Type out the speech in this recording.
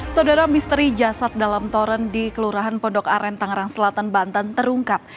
saudara misteri jasad dalam toren di kelurahan pondok aren tangerang selatan banten terungkap